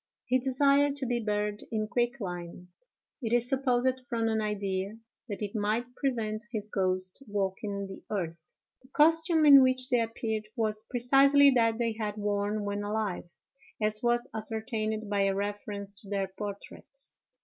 He desired to be buried in quicklime—it is supposed from an idea that it might prevent his ghost walking the earth. The costume in which they appeared was precisely that they had worn when alive, as was ascertained by a reference to their portraits.